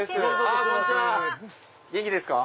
元気ですか？